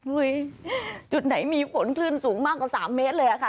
จุดไหนมีฝนคลื่นสูงมากกว่า๓เมตรเลยค่ะ